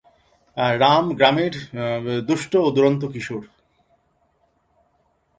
রাম গ্রামের দুষ্ট ও দুরন্ত কিশোর।